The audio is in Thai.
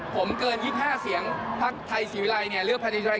ผมเกิน๒๕เสียงภาคไทยศิวีรายเนี่ย